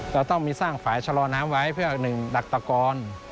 เราต้องมีสร้างฝ่ายชะลอน้ำไว้เพื่อหลักกรรกล